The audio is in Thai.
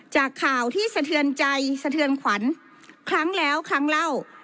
จากข่าวที่สะเทือนใจสะเทือนขวัญครั้งแล้วครั้งเล่า